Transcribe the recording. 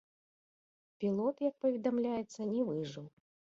Пілот, як паведамляецца, не выжыў.